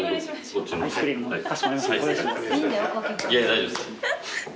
大丈夫です。